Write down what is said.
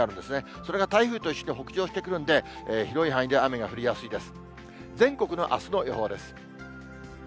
それが台風として北上してくるんで、広い範囲で雨が降りやすいです。